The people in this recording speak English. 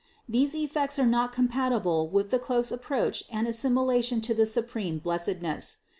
These effects are not compatible with the close approach and assimilation to the supreme bless edness.